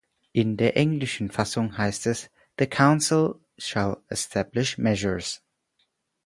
In der englischen Fassung heißt es "the Council shall establish measures".